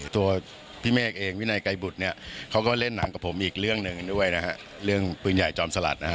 ตัวพี่เมฆเองวินัยไกรบุตรเนี่ยเขาก็เล่นหนังกับผมอีกเรื่องหนึ่งด้วยนะฮะเรื่องปืนใหญ่จอมสลัดนะฮะ